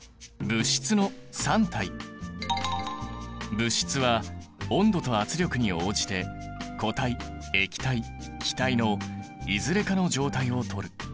物質は温度と圧力に応じて固体液体気体のいずれかの状態をとる。